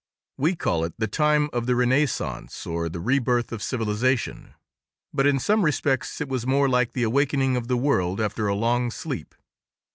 We call it the time of the Renaissance, or the rebirth of civilization, but in some respects it was more like the awakening of the world after a long sleep.